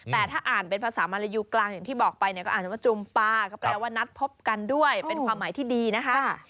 แต่ถ้าอ่านเป็นภาษามารยูกลางอย่างที่บอกไปเนี่ยก็อาจจะว่าจูมปลาก็แปลว่านัดพบกันด้วยเป็นความหมายที่ดีนะคะ